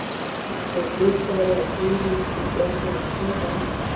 په دې سره ګورو چې ګټه څه ده